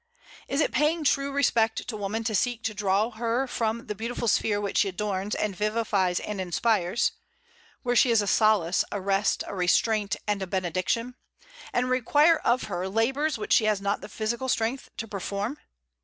Is it paying true respect to woman to seek to draw her from the beautiful sphere which she adorns and vivifies and inspires, where she is a solace, a rest, a restraint, and a benediction, and require of her labors which she has not the physical strength to perform?